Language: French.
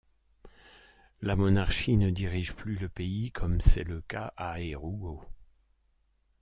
La monarchie ne dirige plus le pays comme c'est le cas à Aerugo.